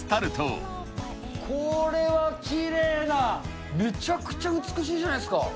これはきれいな、めちゃくちゃ美しいじゃないですか。